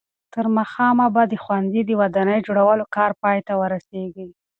تر ماښامه به د ښوونځي د ودانۍ جوړولو کار پای ته ورسېږي.